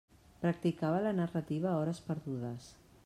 Practicava la narrativa a hores perdudes.